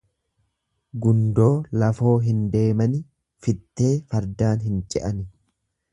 Gundoo lafoo hin deemani, fittee fardaan hin ce'ani.